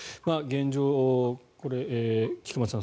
現状、菊間さん